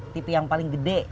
tv yang paling gede